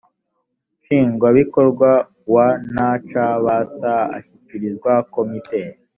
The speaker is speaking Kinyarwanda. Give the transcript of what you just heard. nshingwabikorwa wa ncbs ashyikiriza komite